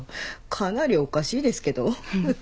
かなりおかしいですけど。